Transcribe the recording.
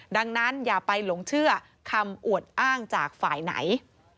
ดังนั้นอย่าไปหลงเชื่อคำอวดอ้างจากฝ่ายไหน